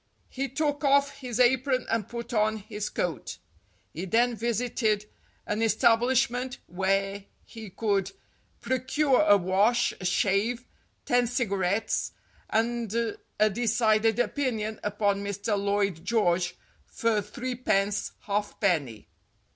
He took off his apron and put on his coat. He then visited an establishment where he could pro cure a wash, a shave, ten cigarettes, and a decided opinion upon Mr. Lloyd George for threepence hall penny.